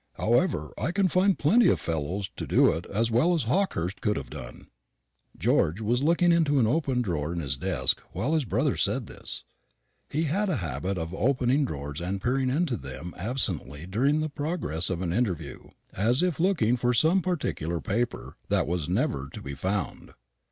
However, I can find plenty of fellows to do it as well as Hawkehurst could have done." George was looking into an open drawer in his desk while his brother said this. He had a habit of opening drawers and peering into them absently during the progress of an interview, as if looking for some particular paper, that was never to be found.